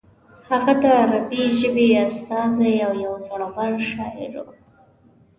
هغه د عربي ژبې استازی او یو زوړور شاعر و.